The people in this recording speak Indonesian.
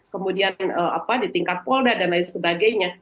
kemudian di tingkat polda dan lain sebagainya